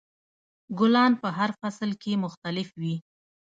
ګلان په هر فصل کې مختلف وي.